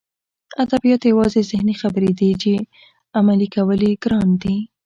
ادبیات یوازې ذهني خبرې دي چې عملي کول یې ګران دي